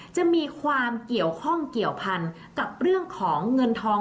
จะมีความเกี่ยวข้องเกี่ยวพันกับเรื่องของเงินทอง